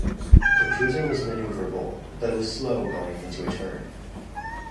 The cruiser was maneuverable, but was slow going into a turn.